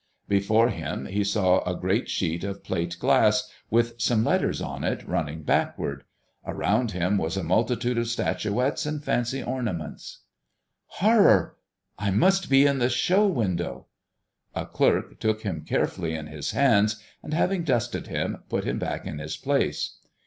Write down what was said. Before him he saw a great sheet of plate glass, with some letters on it, running backward. Around him was a multitude of statuettes and fancy ornaments. "Horror! I must be in the show window!" A clerk took him carefully in his hands, and having dusted him, put him back in his place.